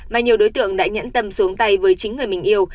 mà nhiều đối tượng đã nhẫn tâm xuống tay với chính người mình yêu